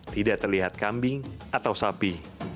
tidak terlihat kambing atau sapi